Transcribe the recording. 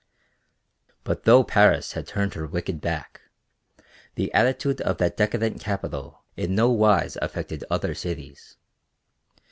But though Paris had turned her wicked back, the attitude of that decadent capital in no wise affected other cities.